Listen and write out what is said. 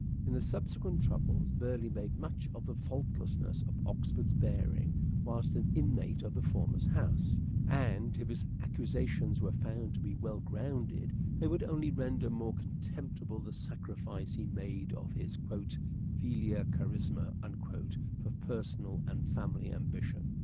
In the subsequent troubles Burleigh made much of the fault iness of Oxford's bearing whilst an inmate of the former's house, and if his accusations were found to be well grounded they would only render more contemptible the sacrifice he made of his " filia carissima " for personal and family ambition.